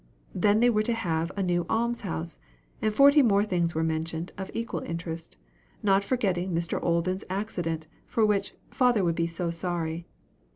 Then they were to have a new alms house; and forty more things were mentioned, of equal interest not forgetting Mr. Olden's accident, for which "father would be so sorry."